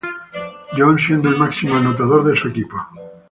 John's, siendo el máximo anotador de su equipo.